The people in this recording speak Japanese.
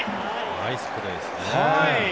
ナイスプレーですね。